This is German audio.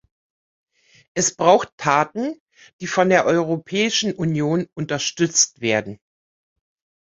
Es braucht Taten, die von der Europäischen Union unterstützt werden.